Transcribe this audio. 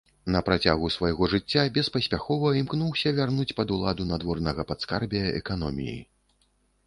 На працягу свайго жыцця беспаспяхова імкнуўся вярнуць пад уладу надворнага падскарбія эканоміі.